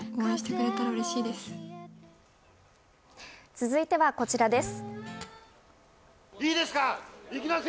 続いてはこちらです。